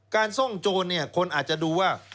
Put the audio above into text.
การซ่องโจนนี่คนอาจจะดูว่า